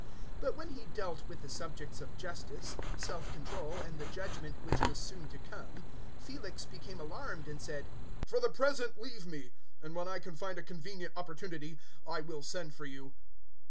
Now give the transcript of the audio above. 024:025 But when he dealt with the subjects of justice, self control, and the judgement which was soon to come, Felix became alarmed and said, "For the present leave me, and when I can find a convenient opportunity I will send for you."